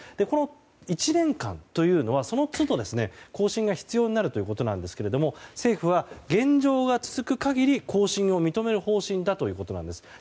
この１年間というのは、その都度更新が必要になるということですが政府は、現状が続く限り更新を認める方針だということです。